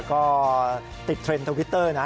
ก็ติดเทรนด์ทวิตเตอร์นะ